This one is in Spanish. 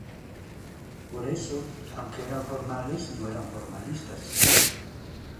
Por eso aunque eran formales, no eran formalistas.